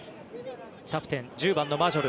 キャプテン１０番のマジョル。